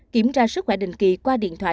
kiểm tra sức khỏe đình kỳ qua điện thoại